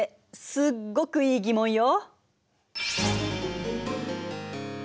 すっごくいい疑問よ！